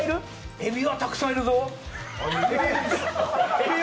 エビはたくさんいるぞ。